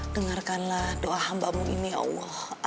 dengarkanlah doa hambamu ini allah